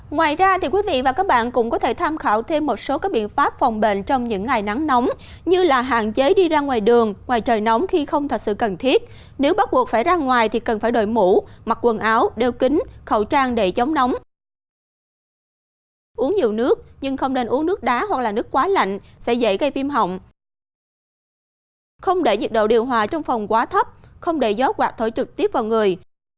ngoài ra thì quý vị và các bạn cũng có thể tham khảo thêm một số các biện pháp phòng bệnh trong những ngày nắng nóng như là hạn chế đi ra ngoài đường ngoài trời nóng khi không thật sự cần thiết nếu bắt buộc phải ra ngoài thì cần phải đổi mũ mặc quần áo đeo kính khẩu trang để chống nóng uống nhiều nước nhưng không nên uống nước đá hoặc là nước quá lạnh sẽ dễ gây phim họng không để nhiệt độ điều hòa trong phòng quá thấp không để gió quạt thổi trực tiếp vào người